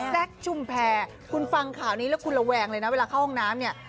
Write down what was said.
ชุมแพรคุณฟังข่าวนี้แล้วคุณระแวงเลยนะเวลาเข้าห้องน้ำเนี่ย